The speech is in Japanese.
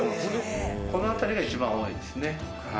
「この辺りが一番多いですね」